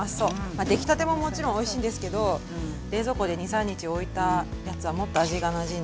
まあ出来たてももちろんおいしいんですけど冷蔵庫で２３日置いたやつはもっと味がなじんでおいしくなるんですよ。